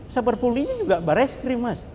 sabar pulihnya juga baris krim mas